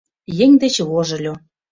Еҥ деч вожыльо.